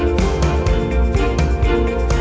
trông xanh trên lệch